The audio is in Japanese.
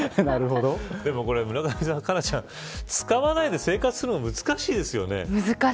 でも村上さん、使わないで生活するのは難しいですよね。